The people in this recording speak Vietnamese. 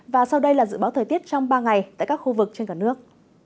và sau đây là dự báo thời tiết trong ba ngày tại các khu vực trên cả nước